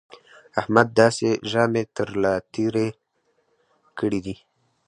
احمد داسې ژامې تر له تېرې کړې دي